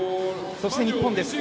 そして日本です